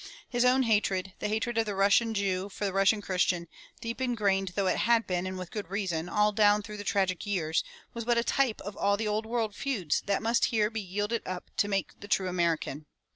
His own hatred, the hatred of Russian Jew for Russian Christian, deep grained though it had been and with good reason all down through the tragic years, was but a type of all the old world feuds that must here be yielded up to make the true Amer ican.